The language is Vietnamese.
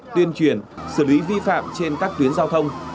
tuyên truyền xử lý vi phạm trên các tuyến giao thông